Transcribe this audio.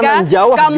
kampungan jawa di mato